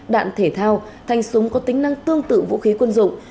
đạn thể thao thành súng có tính năng tương tự vũ khí quân dụng